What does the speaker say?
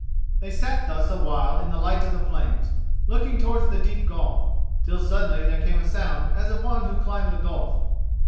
They sat thus a while in the light of the flames, looking towards the deep gulf, till suddenly there came a sound as of one who climbed the gulf.